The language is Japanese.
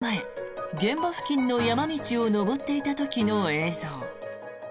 この映像は４年前現場付近の山道を登っていた時の映像。